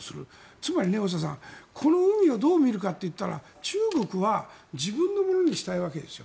つまり、この海をどう見るかって言ったら中国は自分のものにしたいわけですよ。